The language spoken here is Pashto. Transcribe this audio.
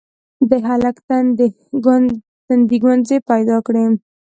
د هلک تندي ګونځې پيدا کړې: